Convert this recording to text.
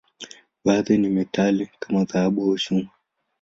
Baadhi ni metali, kama dhahabu au chuma.